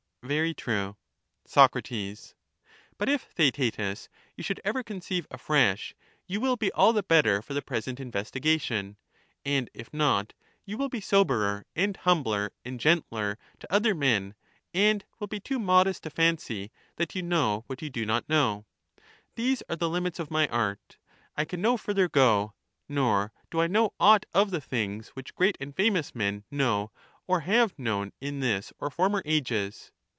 Very true. Sac, But if, Theaetetus, you should ever conceive afresh, you will be all the better for the present investigation, and if not, you will be soberer and humbler and gentler to other men, and will be too modest to fancy that you know what you do not know. These are the limits of my art ; I can no further go, nor do I know aught of the things which great and famous men know or have known in this or former ages.